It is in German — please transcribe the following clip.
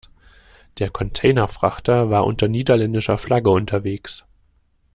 Der Containerfrachter war unter niederländischer Flagge unterwegs.